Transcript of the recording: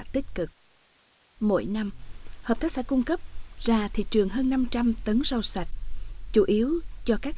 tích cực mỗi năm hợp tác xã cung cấp ra thị trường hơn năm trăm linh tấn rau sạch chủ yếu cho các